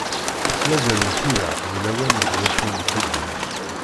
S wazal n tira deg lawan deg wacu nettidir.